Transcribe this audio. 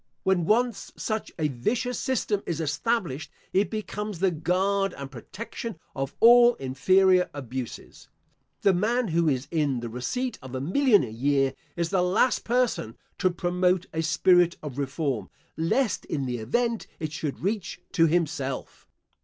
When once such a vicious system is established it becomes the guard and protection of all inferior abuses. The man who is in the receipt of a million a year is the last person to promote a spirit of reform, lest, in the event, it should reach to himself.